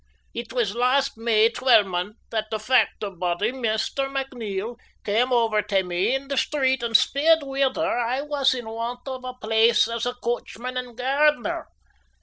It way last May twel'month that the factor body, Maister McNeil, cam ower tae me in the street and speered whether I was in want o' a place as a coachman and gairdner.